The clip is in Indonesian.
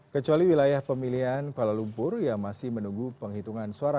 kecuali wilayah pemilihan kuala lumpur yang masih menunggu penghitungan suara